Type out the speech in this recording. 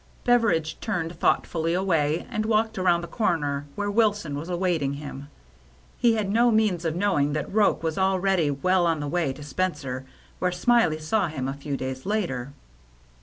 Beveridge turned thoughtfully away and walked around the corner, where Wilson was awaiting him. He had no means of knowing that Roche was already well on the way to Spencer, where Smiley saw him a few days later.